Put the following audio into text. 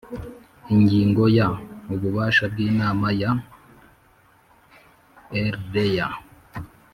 Ingingo ya ububasha bw inama ya rlea